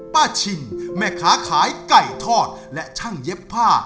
ชิงแม่ค้าขายไก่ทอดและช่างเย็บผ้า